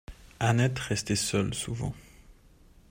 Annette restait seule souvent.